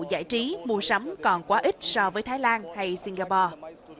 giải trí mua sắm còn quá ít so với thái lan hay singapore